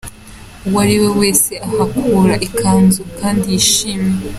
Uwo ariwe wese ahakura ikanzu kandi yishimiye.